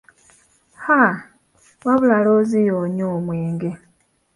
Ha! Wabula looziyo onywa omwenge.